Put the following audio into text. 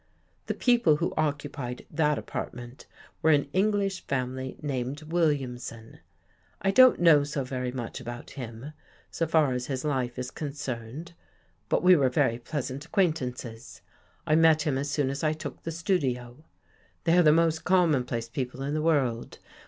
The people who occupied that apartment were an English family named Williamson. I don't know so very much about him, so far as his life is con cerned, but we were very pleasant acquaintances. I met him as soon as I took the studio. They are the most commonplace people in the world.